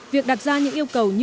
việc đặt ra những yêu cầu như